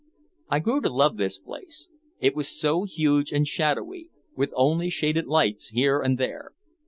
I grew to love this place. It was so huge and shadowy, with only shaded lights here and there.